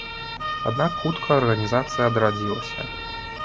Аднак хутка арганізацыя адрадзілася.